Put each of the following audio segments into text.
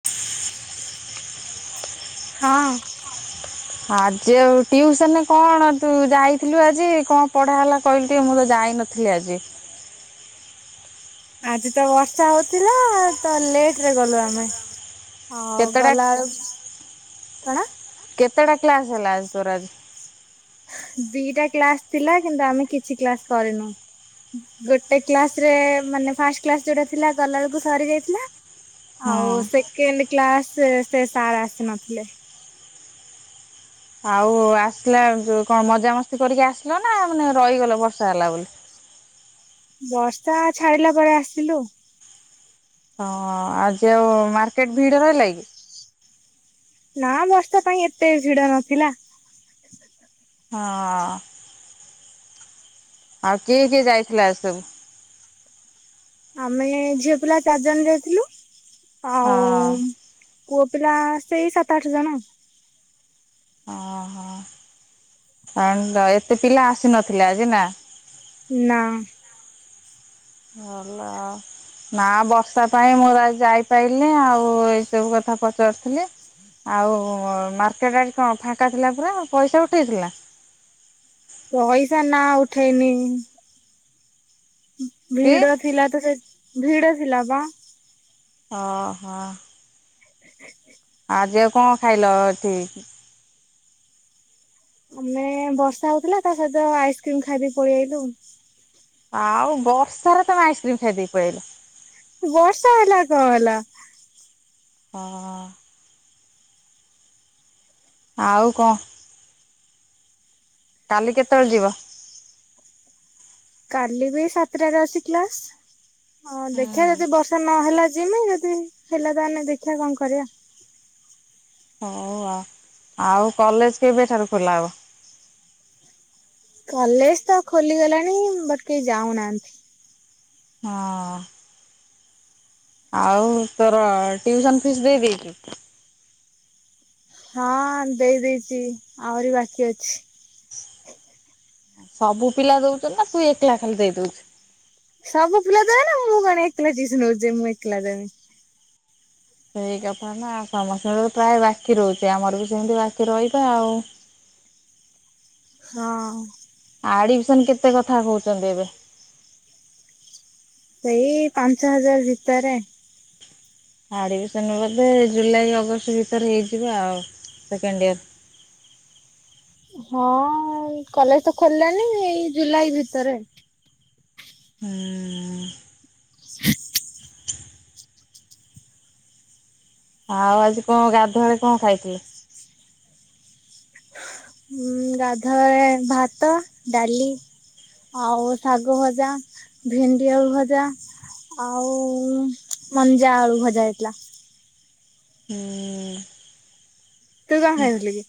[inaudible] [inaudible] [unintelligible] [inaudible] ଆଜି ଆଉ ଟିଉସନରେ କଣ ତୁ ଯାଇଥିଲୁ ଆଜି କଣ ପଢା ହେଲା କହିଲୁ ଟିକେ ମୁଁ ତ ଯାଇନଥିଲି ଥିଲେ ଆଜି। ଆଜି ତ ବର୍ଷା ହଉଥିଲା ତ ଲେଟରେ ଗଲୁ ଆମେ। ହଉ କେତେଟା ଗଲାଏଳକୁ କଣ? କେତେଟା କ୍ଲାସ ହେଲା ଆଜି ତୋର ଆଜି? ଦିଟା କ୍ଲାସ ଥିଲା କିନ୍ତୁ ଆମେ କିଛି କ୍ଲାସ କରିନୁ। ଗୋଟେ କ୍ଲାସରେ ମାନେ ଫାଷ୍ଟ କ୍ଲାକ୍ସ ଯୋଉଟା ଥିଲା ଗଲାଏଳ କୁ ସରି ଯାଇଥିଲା। ହଁ ଆଉ ସେକେଣ୍ଡ କ୍ଲାସ ସେ ସାର୍ ଆସି ନଥିଲେ। ଆଉ ଆସିଲା ଏଳୁକୁ ଜଉ କଣ ମଜାମସ୍ତି କରିକି ଆସିଲ ନା ମାନେ ରହିଗଲ ବର୍ଷା ହେଲା ବୋଲି। ବର୍ଷା ଛାଡିଲା ପରେ ଆସିଲୁ। ହଁ ଆଜି ଆଉ ମାର୍କେଟ ଭିଡ଼ ରହିଲା କି? ନା ବସ୍ତା ପାଇଁ ଏତେ ଭିଡ ନଥିଲା। ହଁ ଅଁ ଆଉ କିଏ କିଏ ଯାଇଥିଲ ଆଜି ସବୁ? ଆମେ ଝିଅ ପିଲା ଚାରି ଜଣ ଯାଇଥିଲୁ ଆଉ ହଁ ପୁଅ ପିଲା ସେଇ ସାତ ଆଠ ଜଣ। ଓହୋ ଆଉ ଏତେ ପିଲା ଆସିନଥିଲେ ଆଜି ନା। ନା। ସରିଲା। ନା ବର୍ଷା ପାଇଁ ମୁଁ ଆଉ ଯାଇପାଇଲି ଆଉ ଏଇ ସବୁ କଥା ପଚାରୁଥିଲି। ଆଉ ମାର୍କେଟରେ କଣ ଫାଙ୍କା ଥିଲା ପୁରା ପଇସା ଉଠାଇଥିଲା। ପଇସା ନା ଉଠେଇନି। କି ଭିଡ ଥିଲା ତ ସେ ଭିଡ ଥିଲା ବା। ଓହୋ। [unintelligible] ଆଜି ଆଉ କଣ ଖାଇଲ ଏଠି? ଆମେ ବର୍ଷା ହଉଥିଲା ତା ସହିତ ଆଇସ୍କ୍ରିମ୍ ଖାଇଦେଇକି ପଳେଇ ଆଇଲୁ। ଆଉ ବର୍ଷାରେ ତମେ ଆଇସ୍କ୍ରିମମ୍ ଖାଇଦେଇକି ପଳିଆଇଲ। ବର୍ଷା ହେଲା କଣ ହେଲା? ହଁ। ଆଉ କଣ? କାଲି କେତେବେଳେ ଯିବ? କାଲି ବି ସାତଟାରେ ଅଛି କ୍ଲାସ୍। ହଁ ହୁଁ ଦେଖିବା ଯଦି ବର୍ଷା ନହେଲା ଯିମି ଯଦି ହେଲା ତାହେଲେ ଦେଖିବା କଣ କରିବା। ହଉ ଆଉ ଆଉ କଲେଜ କେବେଠାରୁ ଖୋଲା ହବ? କଲେଜ୍ ତ ଖୋଲି ଗଲାଣି ବଟ୍ କେହି ଯାଉନାହାନ୍ତି। ହଁ। ଆଉ ତୋର ଟିଉସନ୍ ଫିସ୍ ଦେଇ ଦେଇଦେଇଛୁ? ହଁ ଦେଇ ଦେଇଦେଇଛି ଆହୁରି ବାକି ଅଛି। ସବୁ ପିଲା ଦଉଛନ୍ତି ନା ତୁ ଏକଲା ଖାଲି ଦେଇ ଦଉଛୁ? ସବୁ ପିଲା ଦେବେ ନା ମୁଁ କଣ ଏକଲା ଟିଉସନ ହଉଛି ମୁଁ ଏକଲା ଦେବି। ସେଇ କଥା ନା ସମସ୍ତଙ୍କର ତ ପ୍ରାୟ ବାକି ରହୁଛି ଆମର ବି ସେମିତି ବାକି ରହିବା ଆଉ। ହଁ। ଆଡବିଶନ କେତେ କଥା କହୁଛନ୍ତି ଏବେ। ସେଇ ପାଞ୍ଚ ହଜାର ଭିତରେ। ଆଡିବିସନ ବୋଧେ ଜୁଲାଇ ଅଗଷ୍ଟ ଭିତରେ ହେଇଯିବ ଆଉ ସେକେଣ୍ଡ ଇୟର [unintelligible] ହଁ ଏଇ କଲେଜ ତ ଖୋଲିଲାଣିି ଏଇ ଜୁଲାଇ ଭିତରେ ହୁଁ। ହୁଁ। ସାଶ [unintelligible] ଆଉ ଆଜି କଣ ଗାଧୁଆ ବେଳେ କଣ ଖାଇଥିଲେ? ହୁଁ ଗାଧୁଆ ବେଳେ ଭାତ, ଡାଲି ଆଉ ଶାଗ ଭଜା, ଭେଣ୍ଡି ଆଳୁ ଭଜା ଆଉ ମଞ୍ଜା ଆଳୁ ଭଜା ହେଇଥିଲା। ହୁଁ। ତୁ କଣ ଖାଇଥିଲୁ କି?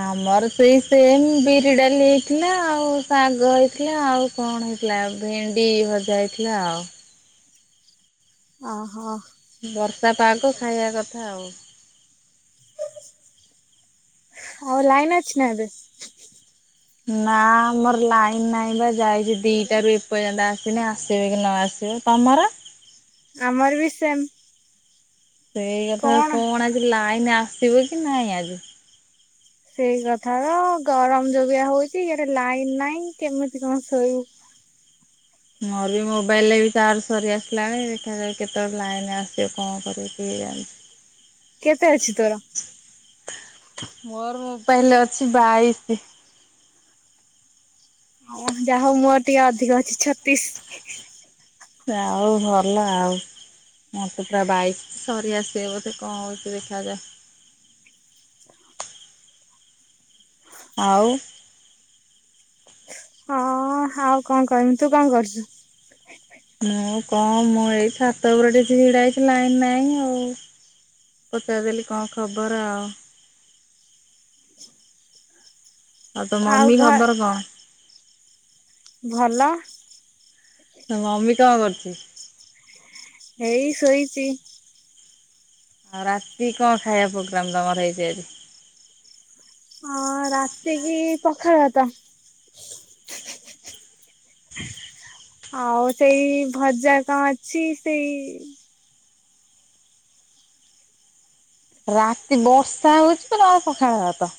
ଆମର ସେଇ ସେମ୍ ବିରି ଡାଲି ହେଇଥିଲା ଆଉ ଶାଗ ହେଇଥିଲା ଆଉ କଣ ହେଇଥିଲା ଭେଣ୍ଡି ଭଜା ହେଇଥିଲା ଆଉ। ଅହୋ। ବର୍ଷା ପାଗ ଖାଇବା କଥା ଆଉ। ହଉ ଲାଇନ୍ ଅଛି ନା ଏବେ? ନାଁ ଆମର ଲାଇନ ନାହିଁ ବା ଯାଇଛି ଦିଟାରୁ ଏପର୍ଯ୍ୟନ୍ତ ଆସନି ଆସିବେ କି ନ ଆସିବ। ତମର? ଆମର ବି ସେମ୍। ସେଇ କଥା କଣ ଆଜି ଲାଇନ ଆସିବ କି ନାଇଁ ଆଜି। ସେଇ କଥାପା ଗରମ ଯୋଉ ବାଗିଆ ହଉଛି ଇଆଡେ ଲାଇନ ନାହିଁ କେମିତି କଣ ଶୋଇବୁ। ମୋର ବି ମୋବାଇଲ ରେ ବି ଚାର୍ଜ ସରି ଆସିଲାଣି ଦେଖିଆ କେତେବେଳେ ଲାଇନ ଆସିବ କଣ କରିବ ଜାଣିଛି। କେତେ ଅଛି ତୋର। ମୋର ମୋବାଇଲରେ ଅଛି ବାଇଶି। ଅଁ ଯାହା ହଉ ମୋର ଟିକେ ଅଧିକ ଅଛି ଛତିଶ୍। ଆଉ ଭଲ ଆଉ। ମୋତେ ପୁରା ବାଇକ୍ ସରି ଆସିବେ ବୋଧେ କଣ ହଉଛି ଦେଖାଯାଉ। ଆଉ। ହଁ ଆଉ କଣ କହିବି ତୁ କଣ କରୁଛୁ? ମୁଁ କଣ ମୁଁ ଏଇ ଛାତ ଉପରେ ଟିକେ ଛିଡ଼ା ହେଇଛି ଲାଇନ ନାଇଁ ଆଉ। ପଚାରିଦେଲି କଣ ଖବର ଆଉ। ଆଉ ତୋ ମମି ଖବର କଣ? ଭଲ। ତୋ ମମି କଣ କରୁଛି? ହେଇ ଶୋଇଛି। ଆଉ ରାତି କଣ ଖାଇବା ପୋଗ୍ରାମ ତମର ହେଇଛିି ଆଜି। ହଁ ରାତିକି ପଖାଳ ଭାତ। ହ ଆଉ ସେଇ ଭଜା କଣ ଅଛି ସେଇ ରାତି ବର୍ଷା ହଉଛି ତମ ପଖାଳ ଭାତ।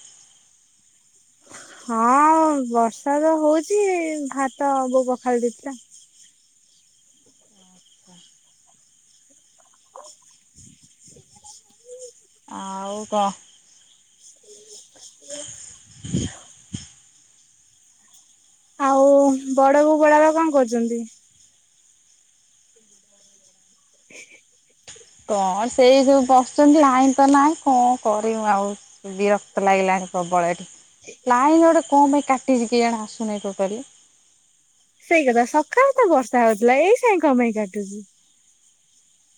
ହଁ ବର୍ଷାତ ହଉଚି ଭାତ ବୋଉ ପଖାଳି ଦେଇଥିଲା। ଆଚ୍ଛା ଆଉ କ। ଆଉ ବଡ ବୋଉ ବଡ଼ ବାପା କଣ କରୁଛନ୍ତି? କଣ ସେଇ ଯୋଉ ବସିଛନ୍ତି ଲାଇନ୍ ତ ନାହିଁ କଣ କରିବୁ ଆଉ। ବିରକ୍ତ ଲାଗିଲାଣି ପ୍ରବଳ ଏଠି ଲାଇନ୍ ଗୋଟେ କମ୍ ପାଇଁ କାଟିଛି କେଜାଣି ଆସୁନାହିଁ ଟୋଟାଲି। ସେଇ କଥା ସକାଳେତ ବର୍ଷା ହଉଥିଲା ଏଇ ସାଇଁ କଣ ପାଇଁ କାଟୁଚି।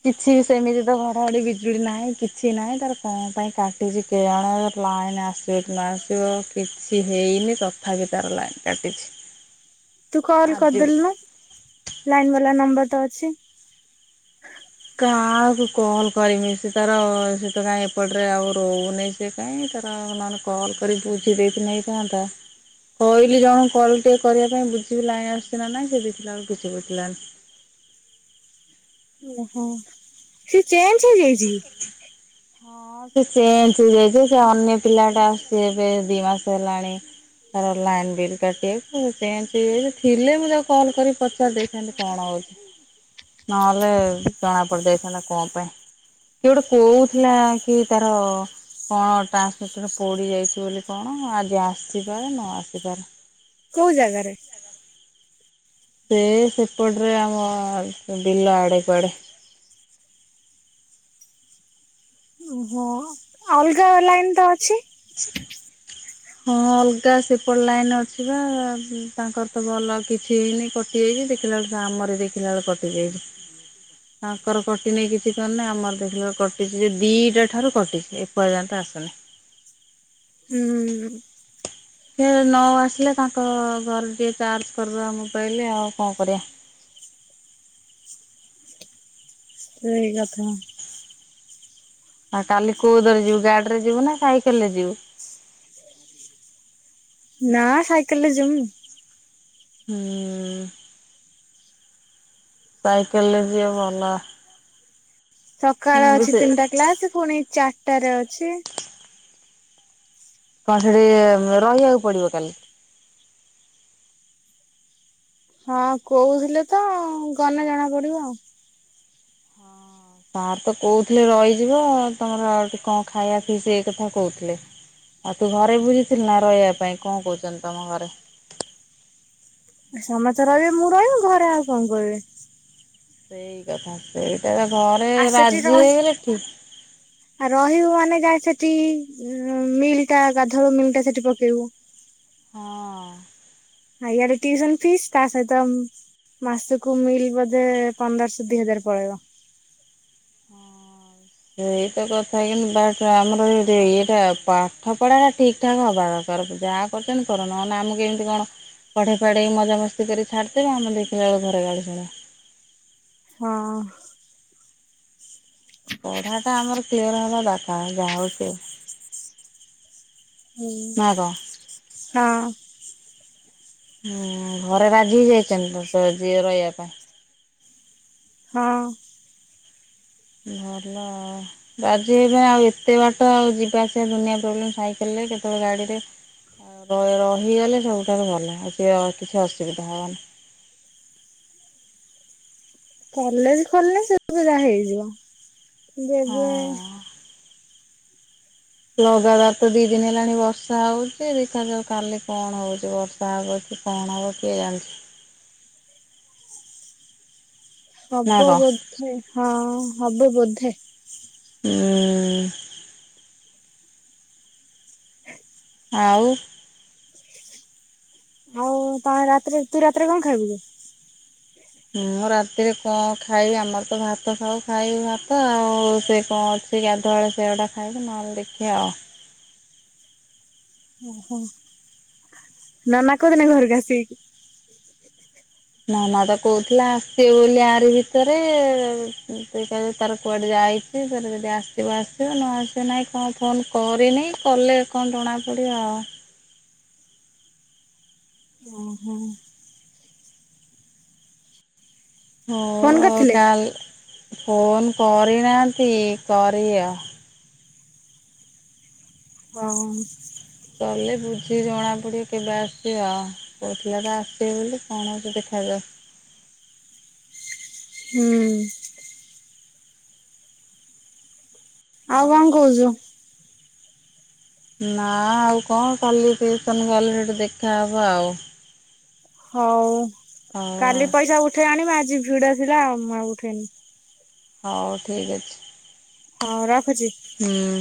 କିଛି ବି ସେମିତି ତ ଘଡଘଡି ବିଜୁଲି ନାହିଁ କିଛି ନାହିଁ ତାର କଣ ପାଇଁ କାଟିଛି। କେଜାଣି ଲାଇନ୍ ଆସିବ କି ନ ଆସିବ କିଛି ହେଇନି ତଥାପି ତାର ଲାଇନ୍ କାଟିଛି। ତୁ କଲ୍ ଆଜି କରିଦେଲୁନୁ ଲାଇନ୍ ବାଲା ନମ୍ବରତ ଅଛି। କାହାକୁ କଲ୍ କରିମି ସେ ତାର ସ ତ କାଁ ଏପଟରେ ଆଉ ରହୁନି। ସେ କାଉଁ ତାର ନାହଲେ କଲ୍ କରି ତାକୁ ଚିଡ଼େଇ ଥିଲେ ହେଇଥାନ୍ତା। କହିଲି ଜଣକୁ କଲ୍ ଟିକେ କରିବା ପାଇଁ ବୁଝିବି ଲାଇଁ ଆସୁଛି ନା ନାଇଁ ସେ ଦେଇଥିଲା ବଳକୁ କିଛି ବୁଝିଲାନି। ଓହୋ ସେ ଚେଞଜ ହେଇଯାଇଛି କି। ହଁ ସେ ଚେଞ୍ଜ ହେଇଯାଇଛି ସେ ଅନ୍ୟ ପିଲା ଟା ଆସିଛି ଏବେ ଦି ମାସ ହେଲାଣି। ତାର ଲାଇନ୍ ବିଲ୍ କାଟିିବା ଚେଞ୍ଜ ହେଇଯାଇଛି ଥିଲେ ମୁଁ ତାକୁ କଲ୍ କରି ପଚାରି ଦେଇଥାନ୍ତି କଣ ହଉଛି। ନହଲେ ଜଣା ପଡିଯାଇଥାନ୍ତା କଣ ପାଇଁ। କିଏ ଗୋଟେ କହୁଥିଲା କି ତାର କଣ ଟ୍ରାନ୍ସମିଟର୍ ପୋଡ଼ିଯାଇଛି ବୋଲି କଣ ଆଜି ଆସିପାରେ ନ ଆସିପାରେ। କୋଉ ଜାଗାରେ? ସେ ସେପଟରେ ଆମ ବିଲ ଆଡ଼େ କୁଆଡ଼େ। ଓହୋ ଅଲଗା ଲାଇନ୍ ତ ଅଛି? ସେ ହଁ ଅଲଗା ସେପଟ ଲାଇନ ଅଛି ବା ତାଙ୍କର ତ ଭଲ କିଛି ହେଇନି କଟ୍ କଟି ଯାଇଛି ଦେଖିଲା ବେଳ କୁ ଆମର ଦେଖିଲା ବେଳ କଟି ଯାଇଛି। ତାଙ୍କର କଟି ନେଇ କିଛି କରିନହିଁ ଆମର ଦେଖିଲା ବେଳକୁ କଟିଛି ଯେ ଦିଇଟା ଠାରୁ କଟିଛି ଏ ପର୍ଯ୍ୟନ୍ତ ଆସୁନି। ହୁଁ। ସେ ନ ଆସିଲେ, ତାଙ୍କ ଘରେ ଟିକେ ଚାର୍ଜ କରିଦବା ମୋବାଇଲ ଆଉ କଣ କରିବା। ସେଇ କଥା। ଆ କାଲି କୋଉ ତିରେ ଯିବୁ ଗାଡିରେ ଯିବୁ ନା ସାଇକେଲରେ ଯିବୁ। ନା ସାଇକେଲ ରେ ଜମି। ହୁଁ। ସାଇକେଲରେ ଯିଏ ଭଲ। ସକାଳ ମୁଁ ବି ଅଛି ସେ ତିନିଟା କ୍ଲାସ ପୁଣି ଚାରିଟାରେ ଅଛି। କଣ ସେଠି ରହିବାକୁ ପଡିବ କାଲି? ହଁ କହୁଥିଲେ ତ ଗଲେେ ଜଣା ପଡିବ ଆଉ। ସାର୍ ତ କହୁଥିଲେ ରହିଯିବ ତମର ଟିକେ କଣ ଖାଇବା ପିସେ ସେ କଥା କହୁଥିଲେ। ଆଉ ତୁ ଘରେ ବୁଝିଥିଲୁ ନା ରହିବା ପାଇଁ କଣ କହୁଛନ୍ତି ତମ ଘରେ? ସମସ୍ତେ ରହିବେ ମୁଁ ରହିବି ଘରେ ଆଉ କଣ କହିବେ। ସେଇ କଥା ସେଇଟା ଘରେ ଆ ରାଜି ହେଇଗଲେ ଠିକ। ଆ ରହିବୁ ମାନେ ଯାଏ ସେଠି ମିଲ୍ ଟା ଗାଧରୁ ମିଲ୍ ଟା ସେଠି ପକେଇବୁ। ହଁ। ଆ ଇଆଡେ ଟ୍ୟୁସନ୍ ଫିସ୍ ତା ସହିତ ମାସକୁୁ ମିଲ୍ ବୋଧେ ପନ୍ଦରଶହ ଦି ହଜାର ପଳେଇବ। ହଁ। ସେଇତ କଥା କିନ୍ତୁ ବାଟ ଆମର ଇଟା ପାଠ ପଢା ଟା ଠିକ ଏଠା ହବା ଦରକର ଯାହା କରୁଛନ୍ତି କର ନ ହେଲେ ଆମକୁ ଏମିତି କଣ ପଢେଇ ପଢେଇି ମଜାମସ୍ତି କରି ଛାଡ଼ିଦେବେ ଆମେ ଦେଖିଲା ବେଳୁ ଘରେ ଗାଳି ଶୁଣିବ। ହଁ। ପଢା ଟା ଆମର କ୍ଲିୟର ହବା ଦରକାର ଯାହା ହଉଛି ହଉ। ହୁଁ ନା କଣ? ହଁ। ହୁଁ ଘରେ ରାଜି ହେଇ ଯାଇଛନ୍ତି ତ ଯିଏ ରହିବା ପାଇଁ? ହଁ। ଭଲ। ରାଜି ହେବେ ଆଉ ଏତେ ବାଟ ଆଉ ଯିବା ଆସିବା ଦୁନିଆ ପ୍ରୋବ୍ଲେମ ସାଇକେଲରେ କେତେବେଳେ ଗାଡ଼ିରେ ରହିଗଲେ ସବୁଠାରୁ ଭଲ ଆଉ କିଛି ଅସୁବିଧା ହବନି। କଲେଜ ଖୋଲିଲେ ସେ ବେଳକୁ ଯାହା ହେଇଯିବ ଯେବେ ହଁ ଲଗାତାର ତ ଦି ଦିନ ହେଲାଣି ବର୍ଷା ହଉଛି ଦେଖାଯାଉ କାଲି କଣ ହଉଛି ବର୍ଷା ବର୍ଷା ହେବା କି କଣ ହବ, କିଏ ଜାଣିଛି? ନା ହବ କଣ ବୋଧେ ହଁ ହବ ବୋଧେ। ହୁଁ। ହଁ। ଆଉ। ଆଉ ତମେ ତୁ ରାତିରେ କଣ ଖାଇବୁ କି? ମୁଁ ରାତିରେ କଣ ଖାଇବି ଆମର ତ ଭାତ ଖାଉ ଖାଇବି ଭାତ ଆଉ। ସେ କଣ ସେଇ ଗାଧୁଆ ବେଳେ ସେଗୁଡ଼ା ଖାଇଚୁ ନହେଲେ ଦେଖି ଆଉ। ଓହୋ ନନା କୋଉଦିନ ଘରକୁ ଆସିବେ? ନା ମା ତାକୁ କହୁଥିଲା ଆସିବେ ବୋଲି ଆରି ଭିତରେ ଦେଖିଲା ବେଳକୁ ତାର କୁଆଡେ ଯାଇ ଛି, ତାର ଯଦି ଆସିବ ଆସିବ ନ ଆସିବ ନାହିଁ କଣ ଫୋନ୍ କରିନି କଲେ କଣ ଜଣାପଡ଼ିବ ଆଉ। ଓହୋ। ଫୋନ ହଉ ଆଉ କରିଥିଲେ? କାଲି ଫୋନ କରିନାହାନ୍ତି କରିବି ଆଉ। ହଁ ହଁ। କଲେ ବୁଝି ଜଣାପଡ଼ିବ କେବେ ଆସିବେ ଆଉ। କହୁଥିଲା ତ ଆସିବେ ବୋଲି କଣ ହଉଛି ଦେଖାଯାଉ। ହୁଁ। ଆଉ କଣ କହୁଛୁ? ନା ଆଉ କଣ କଲି ଟିୟୁସନ୍ ଗଲି ସେଠି ଦେଖାହବ ଆଉ। ହଉ ହଉ ଆଉ କାଲି ପଇସା ଉଠେଇ ଆଣିବ ଆଜି ଭିଡଥିଲା ମୁଁ ଆଉ ଉଠେଇନି। ହଉ ଠିକ୍ ଅଛି। ହଁ ରଖୁଛି। ହୁଁ।